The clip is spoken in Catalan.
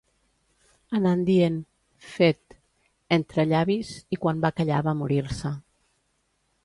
Anant dient: «Fet...» entre llavis i quan va callar va morir-se.